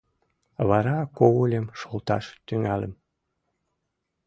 Вара когыльым шолташ тӱҥальым.